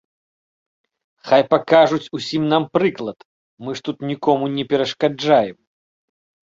Хай пакажуць усім нам прыклад, мы ж тут нікому не перашкаджаем.